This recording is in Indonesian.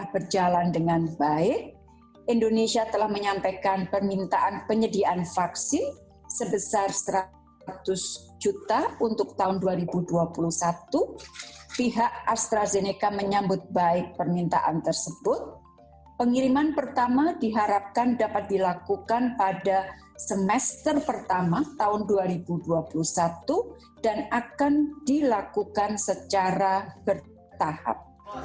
pada semester pertama tahun dua ribu dua puluh satu dan akan dilakukan secara bertahap